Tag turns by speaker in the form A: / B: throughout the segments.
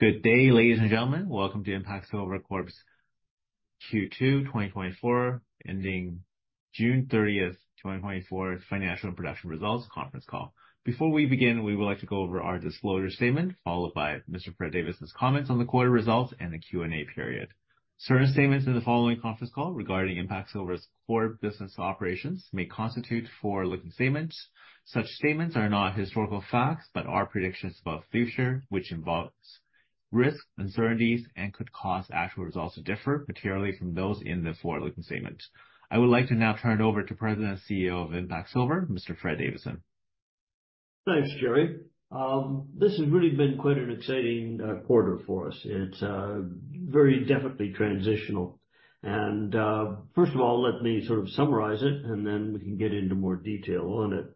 A: Good day, ladies and gentlemen. Welcome to IMPACT Silver Corp.'s Q2 2024 ending June 30th, 2024, financial and production results conference call. Before we begin, we would like to go over our disclosure statement, followed by Mr. Fred Davidson's comments on the quarter results and the Q&A period. Certain statements in the following conference call regarding IMPACT Silver's core business operations may constitute forward-looking statements. Such statements are not historical facts, but are predictions about future, which involves risks, uncertainties, and could cause actual results to differ materially from those in the forward-looking statements. I would like to now turn it over to President and CEO of IMPACT Silver, Mr. Fred Davidson.
B: Thanks, Jerry. This has really been quite an exciting quarter for us. It's very definitely transitional. First of all, let me sort of summarize it and then we can get into more detail on it.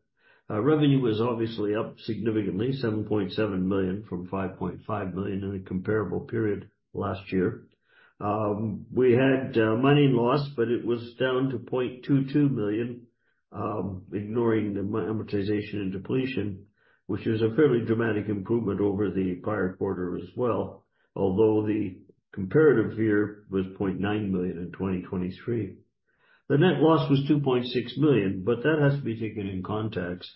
B: Revenue is obviously up significantly, $7.7 million from $5.5 million in a comparable period last year. We had mining loss, but it was down to $0.22 million, ignoring the amortization and depletion, which is a fairly dramatic improvement over the prior quarter as well. Although the comparable year was $0.9 million in 2023. The net loss was $2.6 million, but that has to be taken in context.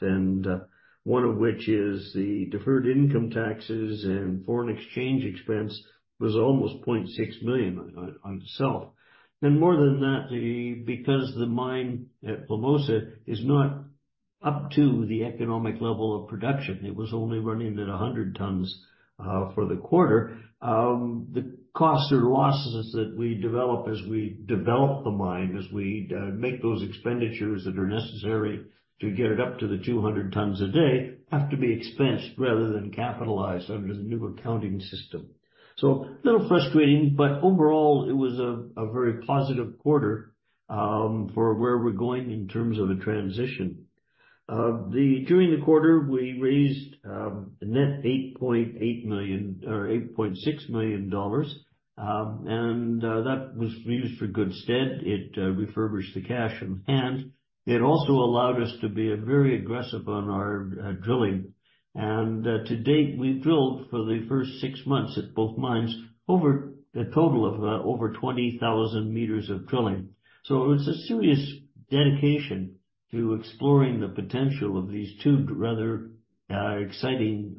B: One of which is the deferred income taxes and foreign exchange expense was almost $0.6 million on itself. More than that, because the mine at Plomosas is not up to the economic level of production, it was only running at 100 tons for the quarter. The costs or losses that we develop as we develop the mine, make those expenditures that are necessary to get it up to the 200 tons a day, have to be expensed rather than capitalized under the new accounting system. A little frustrating, but overall it was a very positive quarter for where we're going in terms of a transition. During the quarter we raised net $8.1 million or $8.6 million. That was used in good stead. It refurbished the cash on hand. It also allowed us to be very aggressive on our drilling. To date, we drilled for the first six months at both mines over a total of over 20,000 meters of drilling. It's a serious dedication to exploring the potential of these two rather exciting,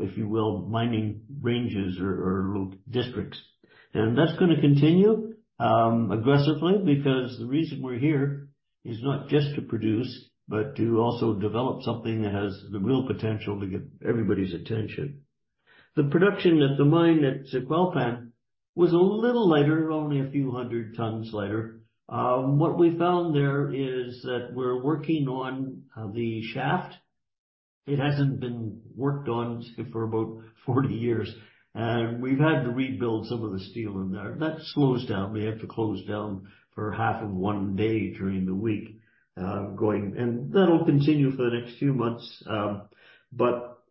B: if you will, mining ranges or little districts. That's gonna continue aggressively because the reason we're here is not just to produce, but to also develop something that has the real potential to get everybody's attention. The production at the mine at Zacualpan was a little lighter, only a few hundred tons lighter. What we found there is that we're working on the shaft. It hasn't been worked on for about 40 years, and we've had to rebuild some of the steel in there. That slows down. We have to close down for half of one day during the week, and that'll continue for the next few months.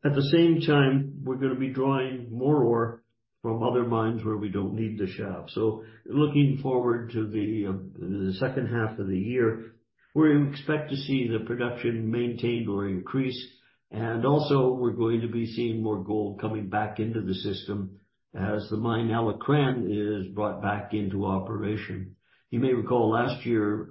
B: At the same time, we're gonna be drawing more ore from other mines where we don't need the shaft. Looking forward to the second half of the year, we expect to see the production maintained or increased, and also we're going to be seeing more gold coming back into the system as the mine Alacrán is brought back into operation. You may recall last year,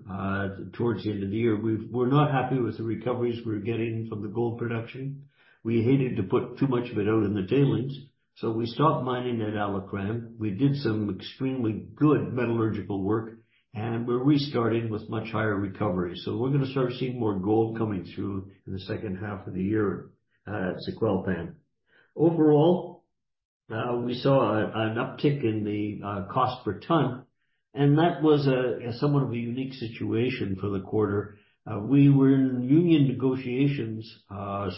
B: towards the end of the year, we're not happy with the recoveries we're getting from the gold production. We hated to put too much of it out in the tailings, so we stopped mining at Alacrán. We did some extremely good metallurgical work, and we're restarting with much higher recovery. We're gonna start seeing more gold coming through in the second half of the year at Zacualpan. Overall, we saw an uptick in the cost per ton, and that was somewhat of a unique situation for the quarter. We were in union negotiations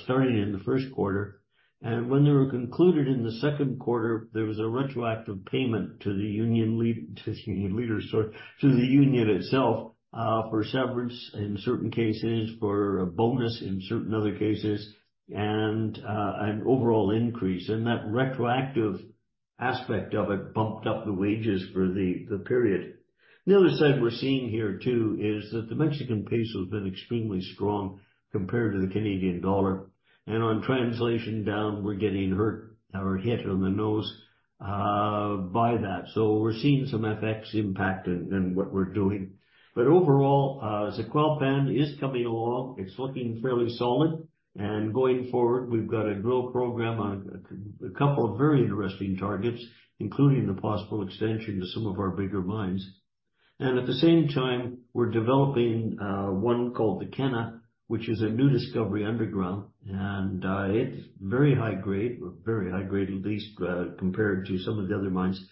B: starting in the first quarter, and when they were concluded in the second quarter, there was a retroactive payment to the union leaders or to the union itself for severance in certain cases, for a bonus in certain other cases, and an overall increase. That retroactive aspect of it bumped up the wages for the period. The other side we're seeing here too is that the Mexican peso has been extremely strong compared to the Canadian dollar. On translation down we're getting hurt or hit on the nose by that. We're seeing some FX impact in what we're doing. Overall, Zacualpan is coming along. It's looking fairly solid. Going forward, we've got a drill program on a couple of very interesting targets, including the possible extension to some of our bigger mines. At the same time we're developing one called the Kena, which is a new discovery underground, and it's very high grade at least, compared to some of the other mines.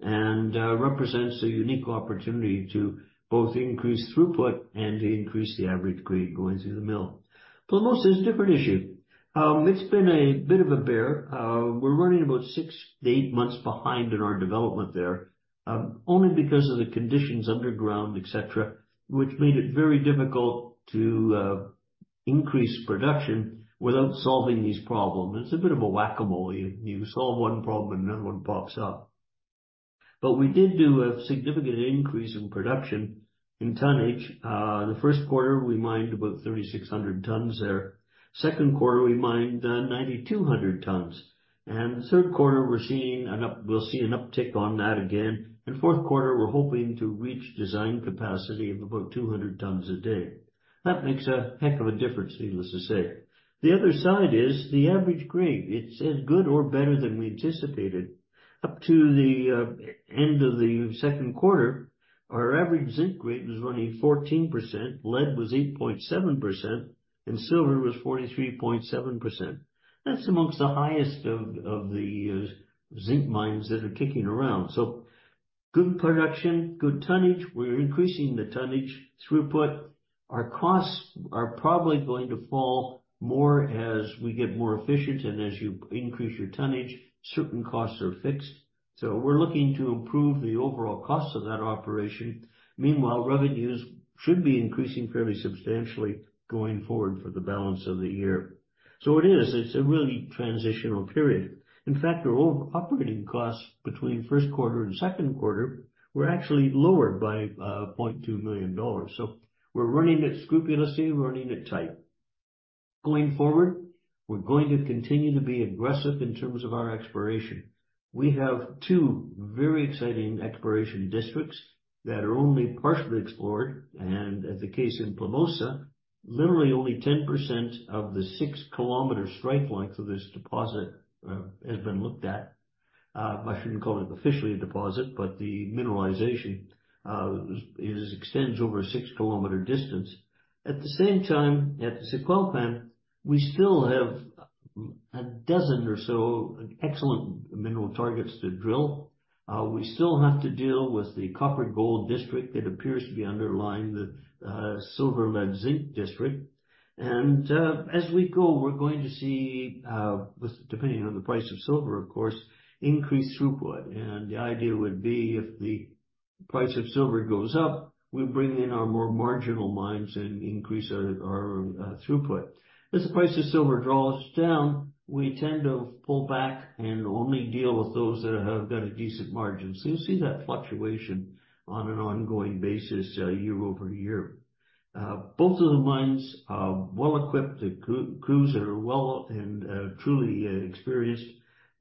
B: It represents a unique opportunity to both increase throughput and to increase the average grade going through the mill. Plomosas is a different issue. It's been a bit of a bear. We're running about 6-8 months behind in our development there, only because of the conditions underground, et cetera, which made it very difficult to increase production without solving these problems. It's a bit of a whack-a-mole. You solve one problem and another one pops up. We did do a significant increase in production in tonnage. The first quarter, we mined about 3,600 tons there. Second quarter, we mined 9,200 tons. The third quarter, we're seeing, we'll see an uptick on that again. Fourth quarter, we're hoping to reach design capacity of about 200 tons a day. That makes a heck of a difference, needless to say. The other side is the average grade. It's as good or better than we anticipated. Up to the end of the second quarter, our average zinc grade was running 14%, lead was 8.7%, and silver was 43.7%. That's among the highest of the zinc mines that are kicking around. Good production, good tonnage. We're increasing the tonnage throughput. Our costs are probably going to fall more as we get more efficient and as you increase your tonnage, certain costs are fixed. We're looking to improve the overall cost of that operation. Meanwhile, revenues should be increasing fairly substantially going forward for the balance of the year. It is, it's a really transitional period. In fact, our operating costs between first quarter and second quarter were actually lowered by $0.2 million. We're running it scrupulously, running it tight. Going forward, we're going to continue to be aggressive in terms of our exploration. We have two very exciting exploration districts that are only partially explored, and as is the case in Plomosas, literally only 10% of the six-kilometer strike length of this deposit has been looked at. I shouldn't call it officially a deposit, but the mineralization it extends over a six kilometer distance. At the same time, at the Zacualpan, we still have a dozen or so excellent mineral targets to drill. We still have to deal with the copper-gold district that appears to be underlying the silver-lead-zinc district. As we go, we're going to see this depending on the price of silver, of course, increased throughput. The idea would be if the price of silver goes up, we bring in our more marginal mines and increase our throughput. As the price of silver draws down, we tend to pull back and only deal with those that have got a decent margin. You'll see that fluctuation on an ongoing basis year-over-year. Both of the mines are well equipped. The crews are well and truly experienced.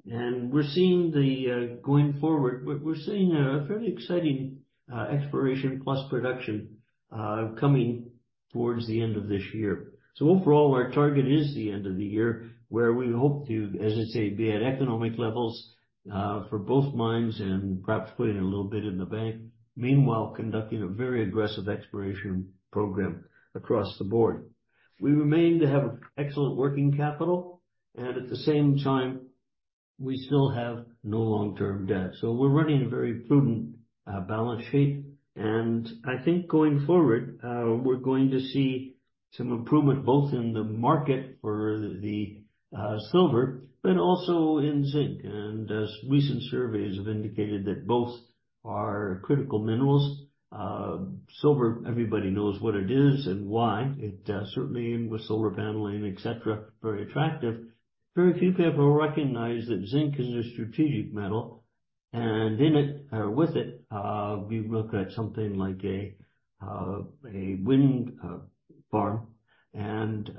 B: Going forward, we're seeing a fairly exciting exploration plus production coming towards the end of this year. Overall, our target is the end of the year where we hope to, as I say, be at economic levels for both mines and perhaps putting a little bit in the bank, meanwhile, conducting a very aggressive exploration program across the board. We continue to have excellent working capital, and at the same time, we still have no long-term debt. We're running a very prudent balance sheet. I think going forward, we're going to see some improvement both in the market for the silver, but also in zinc. As recent surveys have indicated that both are critical minerals. Silver, everybody knows what it is and why. It is certainly with solar paneling, et cetera, very attractive. Very few people recognize that zinc is a strategic metal. In it, or with it, we look at something like a wind farm, and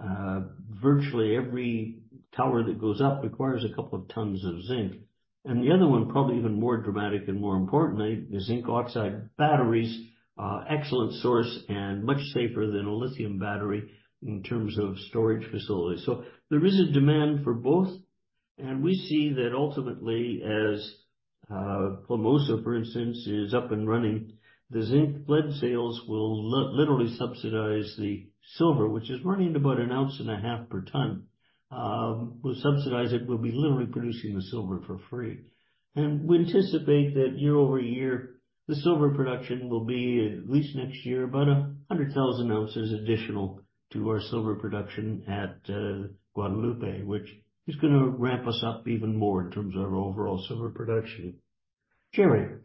B: virtually every tower that goes up requires a couple of tons of zinc. The other one, probably even more dramatic and more importantly, the zinc oxide batteries are excellent source and much safer than a lithium battery in terms of storage facilities. There is a demand for both. We see that ultimately, as Plomosas, for instance, is up and running, the zinc blende sales will literally subsidize the silver, which is running about an ounce and a half per ton. We'll subsidize it. We'll be literally producing the silver for free. We anticipate that year-over-year, the silver production will be at least next year, about 100,000 ounces additional to our silver production at Guadalupe, which is gonna ramp us up even more in terms of our overall silver production. Jerry.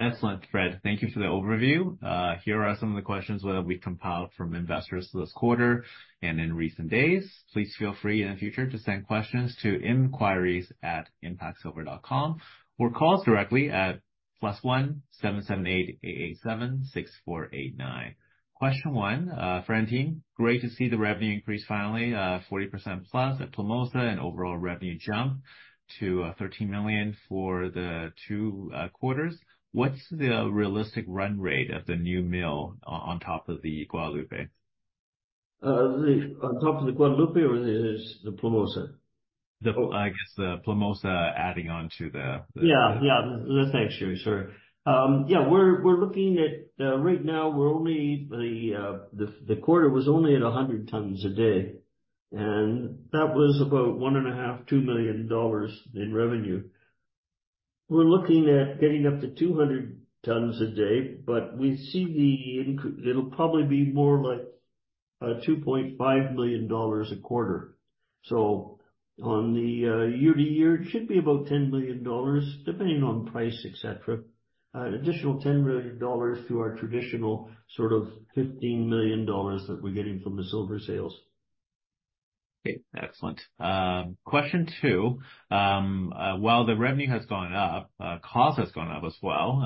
A: Excellent, Fred. Thank you for the overview. Here are some of the questions that we compiled from investors this quarter and in recent days. Please feel free in the future to send questions to inquiries@impactsilver.com or call us directly at +1-778-887-6489. Question 1, for our team. Great to see the revenue increase finally, 40% plus at Plomosas and overall revenue jump to $13 million for the two quarters. What's the realistic run rate of the new mill on top of the Guadalupe?
B: On top of the Guadalupe or is this the Plomosas?
A: I guess, the Plomosas adding on to the--
B: Thanks, Jerry. Sorry. We're looking at right now. The quarter was only at 100 tons a day, and that was about $1.5-$2 million in revenue. We're looking at getting up to 200 tons a day, but it'll probably be more like $2.5 million a quarter. So on the year-to-year, it should be about $10 million, depending on price, et cetera. An additional $10 million to our traditional sort of $15 million that we're getting from the silver sales.
A: Okay, excellent. Question 2. While the revenue has gone up, cost has gone up as well,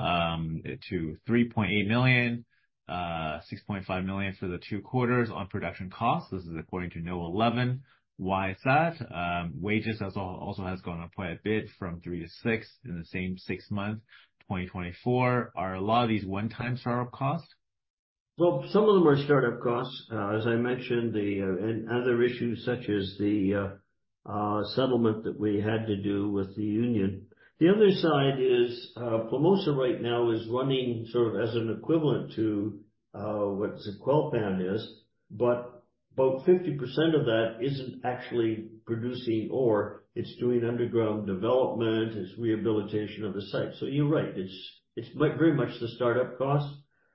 A: to $3.8 million, $6.5 million for the two quarters on production costs. This is according to note 11. Why is that? Wages has also gone up quite a bit from $3 million to $6 million in the same six months, 2024. Are a lot of these one-time start-up costs?
B: Well, some of them are start-up costs. As I mentioned, and other issues such as the settlement that we had to do with the union. The other side is, Plomosas right now is running sort of as an equivalent to what Zacualpan is, but about 50% of that isn't actually producing ore. It's doing underground development, rehabilitation of the site. You're right, it's very much the start-up cost.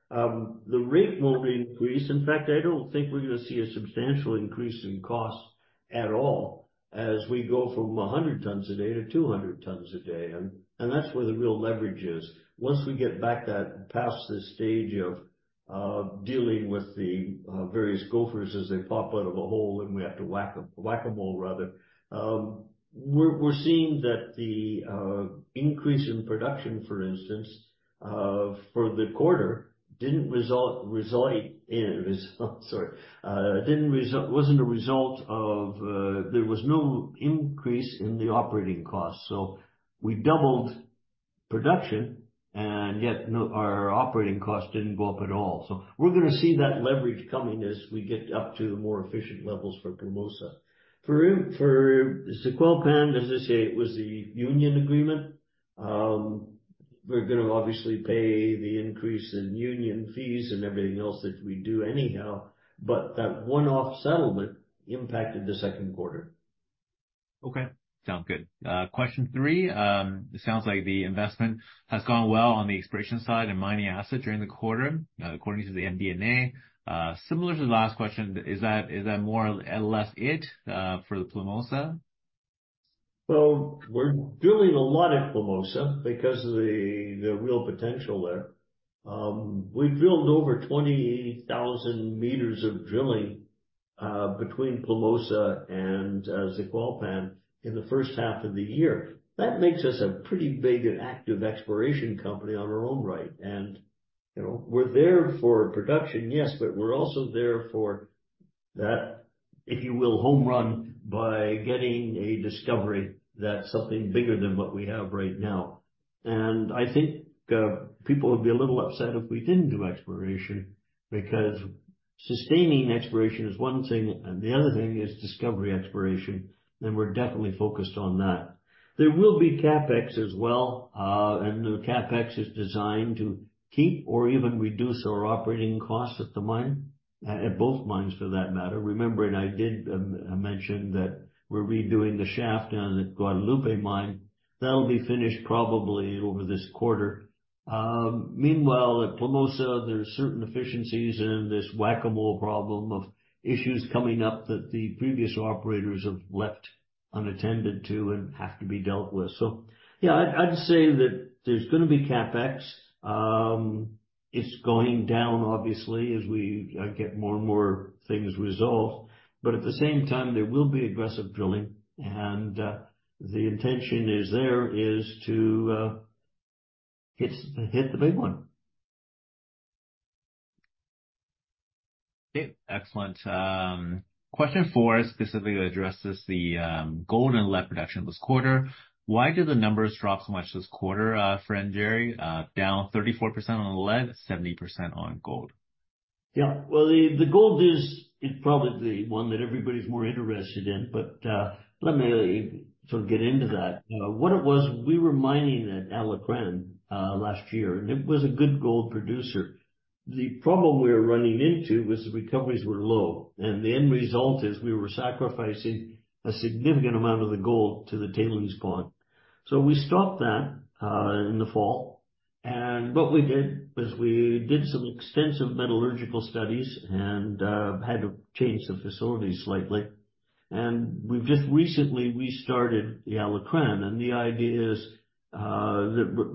B: The rate won't increase. In fact, I don't think we're gonna see a substantial increase in cost at all as we go from 100 tons a day to 200 tons a day. That's where the real leverage is. Once we get back past this stage of dealing with the various gophers as they pop out of a hole, and we have to whack them, whack-a-mole rather. We're seeing that the increase in production, for instance, for the quarter, wasn't a result of an increase in the operating cost. There was no increase in the operating cost. We're gonna see that leverage coming as we get up to more efficient levels for Plomosas. For Zacualpan, as I say, it was the union agreement. We're gonna obviously pay the increase in union fees and everything else that we do anyhow, but that one-off settlement impacted the second quarter.
A: Okay, sounds good. Question 3. It sounds like the investment has gone well on the exploration side and mining asset during the quarter, according to the MD&A. Similar to the last question, is that more or less it for the Plomosas?
B: We're drilling a lot at Plomosas because of the real potential there. We drilled over 28,000 meters of drilling between Plomosas and Zacualpan in the first half of the year. That makes us a pretty big and active exploration company in our own right. You know, we're there for production, yes, but we're also there for that, if you will, home run by getting a discovery that's something bigger than what we have right now. I think people would be a little upset if we didn't do exploration because sustaining exploration is one thing, and the other thing is discovery exploration, and we're definitely focused on that. There will be CapEx as well, and the CapEx is designed to keep or even reduce our operating costs at the mine, at both mines, for that matter. Remember, I did mention that we're redoing the shaft down at Guadalupe mine. That'll be finished probably over this quarter. Meanwhile, at Plomosas, there are certain efficiencies and this whack-a-mole problem of issues coming up that the previous operators have left unattended to and have to be dealt with. Yeah, I'd say that there's gonna be CapEx. It's going down, obviously, as we get more and more things resolved. At the same time, there will be aggressive drilling, and the intention is there is to hit the big one.
A: Okay, excellent. Question 4 specifically addresses the gold and lead production this quarter. Why do the numbers drop so much this quarter for Neri? Down 34% on lead, 70% on gold.
B: Yeah. Well, the gold is, it's probably the one that everybody's more interested in, but let me sort of get into that. What it was, we were mining at Alacran last year, and it was a good gold producer. The problem we were running into was the recoveries were low, and the end result is we were sacrificing a significant amount of the gold to the tailings pond. We stopped that in the fall. What we did was we did some extensive metallurgical studies and had to change the facility slightly. We've just recently restarted the Alacran, and the idea is that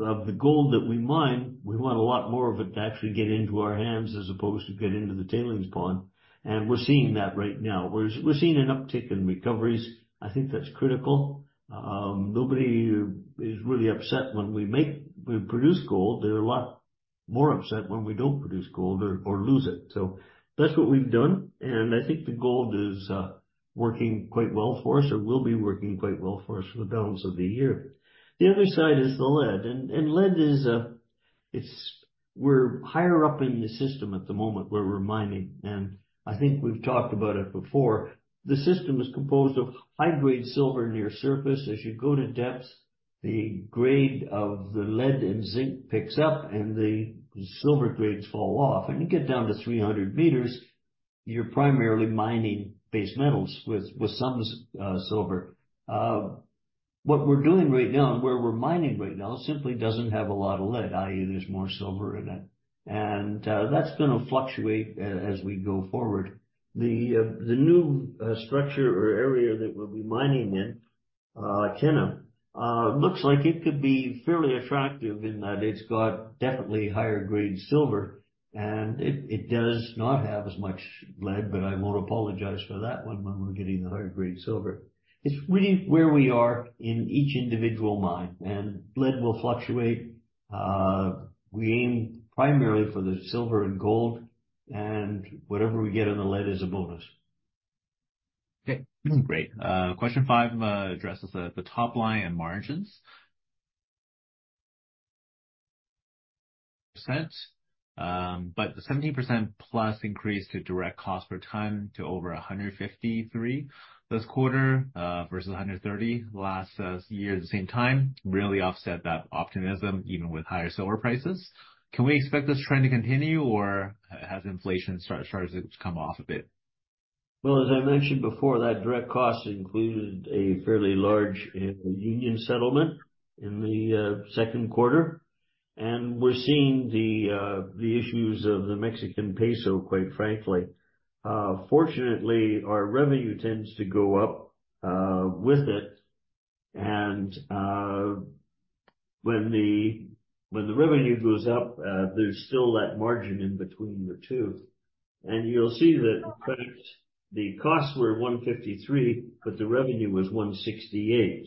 B: of the gold that we mine, we want a lot more of it to actually get into our hands as opposed to get into the tailings pond. We're seeing that right now. We're seeing an uptick in recoveries. I think that's critical. Nobody is really upset when we produce gold. They're a lot more upset when we don't produce gold or lose it. That's what we've done, and I think the gold is working quite well for us or will be working quite well for us for the balance of the year. The other side is the lead, and we're higher up in the system at the moment where we're mining, and I think we've talked about it before. The system is composed of high-grade silver near surface. As you go to depth, the grade of the lead and zinc picks up, and the silver grades fall off. When you get down to 300 meters, you're primarily mining base metals with some silver. What we're doing right now and where we're mining right now simply doesn't have a lot of lead, i.e., there's more silver in it. That's gonna fluctuate as we go forward. The new structure or area that we'll be mining in Kena looks like it could be fairly attractive in that it's got definitely higher grade silver, and it does not have as much lead, but I won't apologize for that one when we're getting the higher grade silver. It's really where we are in each individual mine and lead will fluctuate. We aim primarily for the silver and gold and whatever we get in the lead is a bonus.
A: Okay, great. Question 5 addresses the top line and margins percent, but the 17%+ increase to direct cost per ton to over $153 this quarter versus $130 last year at the same time really offset that optimism even with higher silver prices. Can we expect this trend to continue or has inflation starts to come off a bit?
B: Well, as I mentioned before, that direct cost included a fairly large union settlement in the second quarter, and we're seeing the issues of the Mexican peso, quite frankly. Fortunately, our revenue tends to go up with it and when the revenue goes up, there's still that margin in between the two. You'll see that the costs were 153, but the revenue was 168.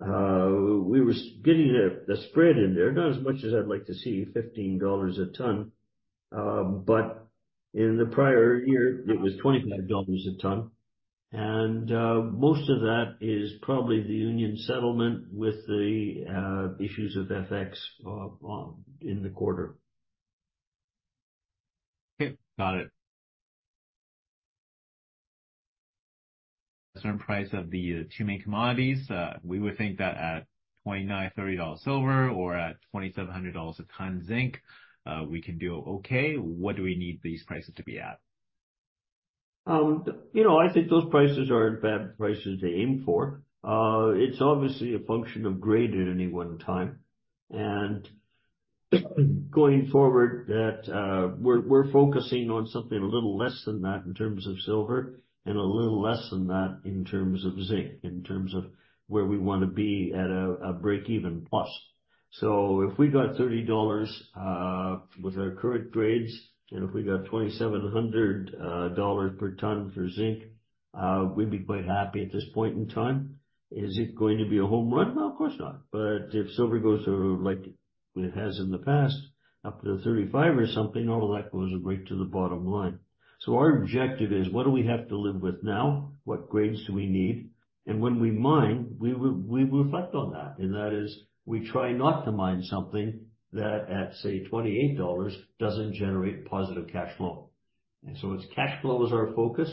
B: We were getting a spread in there, not as much as I'd like to see, $15 a ton. But in the prior year, it was $25 a ton. Most of that is probably the union settlement with the issues of FX in the quarter.
A: Okay. Got it. At current prices for the two main commodities, we would think that at $29-$30 silver or at $2,700 a ton zinc, we can do okay. What do we need these prices to be at?
B: You know, I think those prices aren't bad prices to aim for. It's obviously a function of grade at any one time. Going forward that, we're focusing on something a little less than that in terms of silver and a little less than that in terms of zinc, in terms of where we wanna be at a breakeven plus. If we got $30 with our current grades, and if we got $2,700 per ton for zinc, we'd be quite happy at this point in time. Is it going to be a home run? No, of course not. If silver goes to like it has in the past, up to 35 or something, all that goes right to the bottom line. Our objective is what do we have to live with now? What grades do we need? When we mine, we reflect on that. That is, we try not to mine something that at say $28 doesn't generate positive cash flow. So cash flow is our focus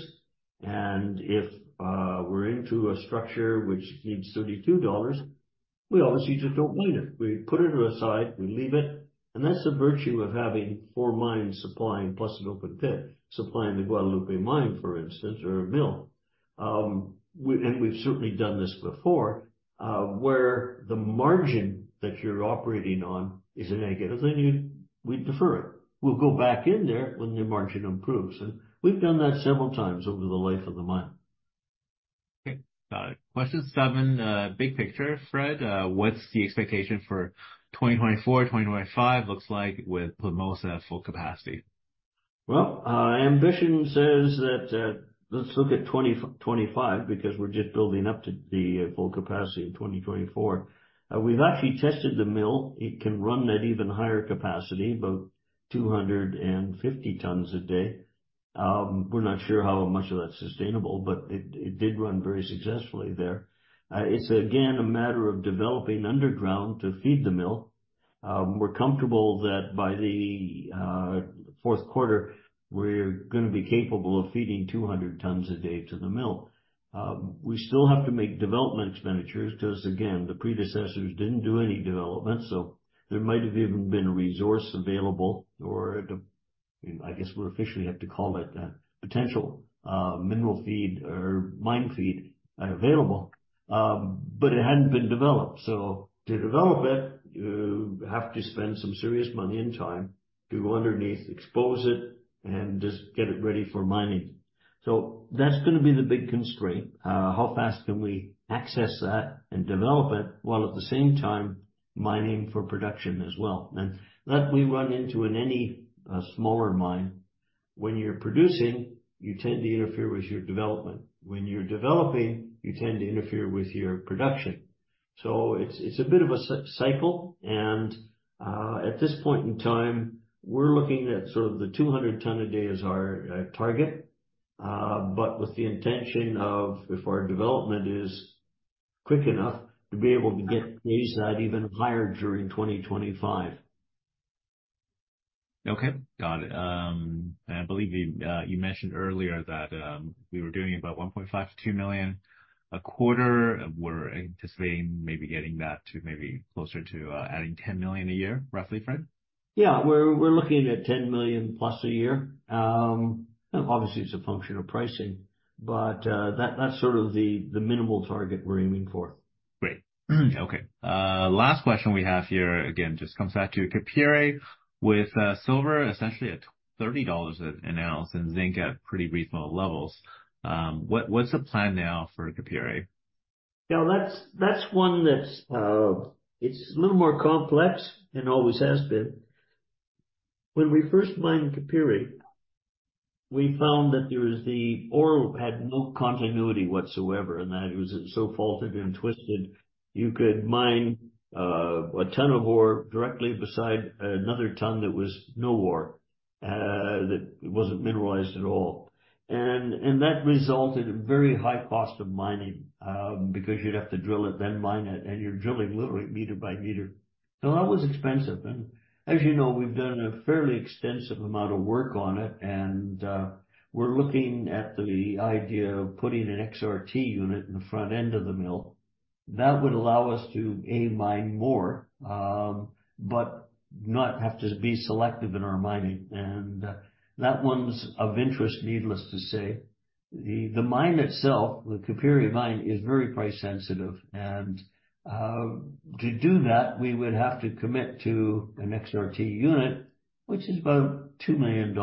B: and if we're into a structure which needs $32, we obviously just don't mine it. We put it aside, we leave it, and that's the virtue of having four mines supplying plus an open pit supplying the Guadalupe mine, for instance, or a mill. We've certainly done this before where the margin that you're operating on is negative, we defer it. We'll go back in there when the margin improves. We've done that several times over the life of the mine.
A: Okay. Got it. Question 7, big picture, Fred. What's the expectation for 2024, 2025 looks like with Plomosas at full capacity?
B: Well, ambition says that, let's look at 2025 because we're just building up to the full capacity in 2024. We've actually tested the mill. It can run at even higher capacity, about 250 tons a day. We're not sure how much of that's sustainable, but it did run very successfully there. It's again, a matter of developing underground to feed the mill. We're comfortable that by the fourth quarter, we're gonna be capable of feeding 200 tons a day to the mill. We still have to make development expenditures because again, the predecessors didn't do any development, so there might have even been a resource available or I guess we officially have to call it a potential mineral feed or mine feed available. It hadn't been developed. To develop it, you have to spend some serious money and time to go underneath, expose it, and just get it ready for mining. That's gonna be the big constraint. How fast can we access that and develop it while at the same time mining for production as well. That we run into in any smaller mine. When you're producing, you tend to interfere with your development. When you're developing, you tend to interfere with your production. It's a bit of a cycle and at this point in time, we're looking at sort of the 200 ton a day as our target, but with the intention of if our development is quick enough to be able to get these out even higher during 2025.
A: Okay. Got it. I believe you mentioned earlier that we were doing about $1.5 million-$2 million a quarter. We're anticipating maybe getting that to maybe closer to adding $10 million a year, roughly, Fred?
B: Yeah. We're looking at $10 million plus a year. Obviously, it's a function of pricing, but that's sort of the minimal target we're aiming for.
A: Great. Okay. Last question we have here, again, just comes back to Capire. With silver essentially at $30 an ounce and zinc at pretty reasonable levels, what's the plan now for Capire?
B: Yeah. That's one that's a little more complex and always has been. When we first mined Capire, we found that the ore had no continuity whatsoever, and that it was so faulted and twisted you could mine a ton of ore directly beside another ton that was no ore, that wasn't mineralized at all. That resulted in very high cost of mining, because you'd have to drill it, then mine it, and you're drilling literally meter by meter. That was expensive. As you know, we've done a fairly extensive amount of work on it, and we're looking at the idea of putting an XRT unit in the front end of the mill. That would allow us to, A, mine more, but not have to be selective in our mining. That one's of interest, needless to say. The mine itself, the Capire mine, is very price sensitive and to do that we would have to commit to an XRT unit, which is about $2 million in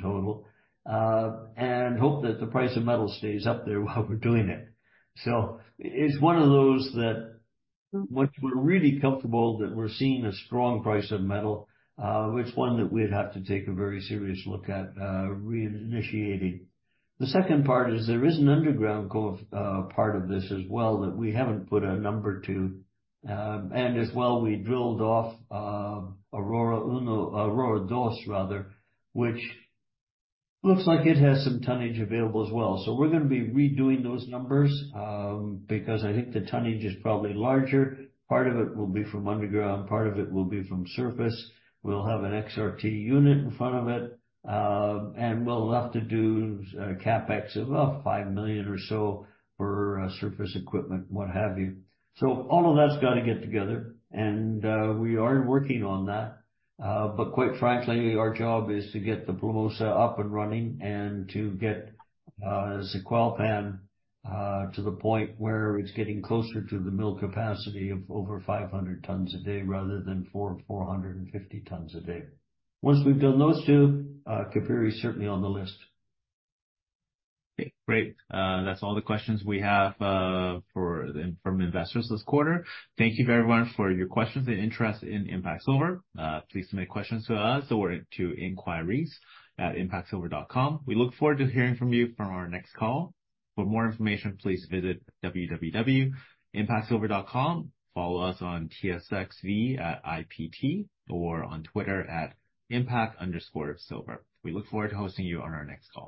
B: total, and hope that the price of metal stays up there while we're doing it. It's one of those that once we're really comfortable that we're seeing a strong price of metal, it's one that we'd have to take a very serious look at reinitiating. The second part is there is an underground part of this as well that we haven't put a number to. And as well, we drilled off Aurora Uno, Aurora Dos rather, which looks like it has some tonnage available as well. We're gonna be redoing those numbers because I think the tonnage is probably larger. Part of it will be from underground, part of it will be from surface. We'll have an XRT unit in front of it, and we'll have to do a CapEx of about $5 million or so for surface equipment, what have you. All of that's gotta get together and we are working on that. Quite frankly, our job is to get the Plomosas up and running and to get Zacualpan to the point where it's getting closer to the mill capacity of over 500 tons a day rather than 450 tons a day. Once we've done those two, Capire is certainly on the list.
A: Okay, great. That's all the questions we have from investors this quarter. Thank you very much for your questions and interest in IMPACT Silver. Please submit questions to us or to inquiries@impactsilver.com. We look forward to hearing from you for our next call. For more information, please visit www.impactsilver.com. Follow us on TSXV at IPT or on Twitter @IMPACT_Silver. We look forward to hosting you on our next call.